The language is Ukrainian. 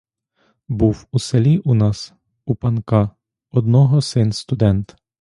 Був у селі у нас у панка одного син студент.